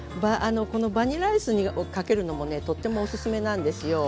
このバニラアイスにかけるのもねとってもおすすめなんですよ。